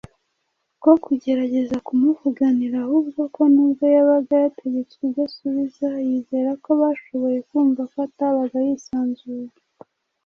ko kugerageza kumuvuganira. Avuga ko nubwo yabaga yategetswe ibyo asubiza, yizera ko bashoboye kumva ko atabaga yisanzuye